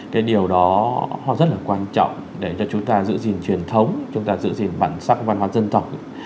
cái điều đó nó rất là quan trọng để cho chúng ta giữ gìn truyền thống chúng ta giữ gìn bản sắc văn hóa dân tộc